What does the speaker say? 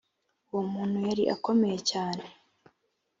uwo muntu yari akomeye cyane